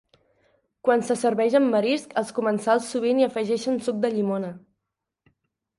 Quan se serveix amb marisc, els comensals sovint hi afegeixen suc de llimona.